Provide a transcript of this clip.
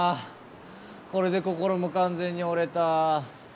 これで心も完全に折れた。